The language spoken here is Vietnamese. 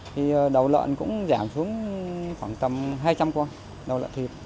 thì đầu lợn cũng giảm xuống khoảng tầm hai trăm linh con đầu lợn thịt